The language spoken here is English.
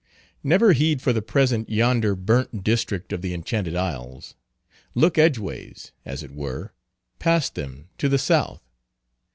Never heed for the present yonder Burnt District of the Enchanted Isles. Look edgeways, as it were, past them, to the south.